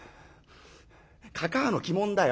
かかあの着物だよ。